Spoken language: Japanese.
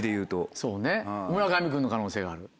そうね村上君の可能性がある。